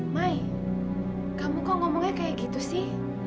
mai kamu kok ngomongnya kayak gitu sih